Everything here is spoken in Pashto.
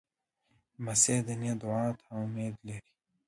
لمسی د نیا دعا ته امید لري.